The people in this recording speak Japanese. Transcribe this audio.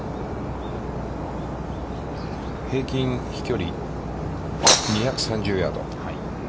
平均飛距離２３０ヤード。